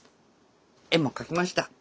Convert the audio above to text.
絵も描きました。